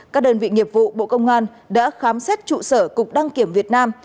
các đơn vị nghiệp vụ bộ công an đã khám xét trụ sở cục đăng kiểm việt nam